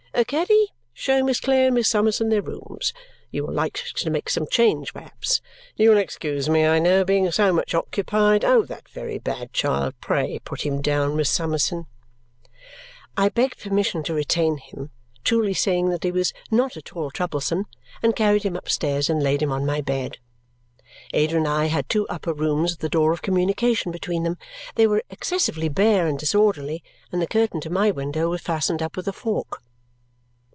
Caddy, show Miss Clare and Miss Summerson their rooms. You will like to make some change, perhaps? You will excuse me, I know, being so much occupied. Oh, that very bad child! Pray put him down, Miss Summerson!" I begged permission to retain him, truly saying that he was not at all troublesome, and carried him upstairs and laid him on my bed. Ada and I had two upper rooms with a door of communication between. They were excessively bare and disorderly, and the curtain to my window was fastened up with a fork.